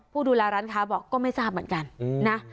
ผู้ดูแลร้านค้าบอกก็ไม่ทราบเหมือนกันนะ